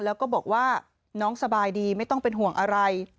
แล้วก็บอกว่าน้องสบายดีไม่ต้องเป็นห่วงอะไร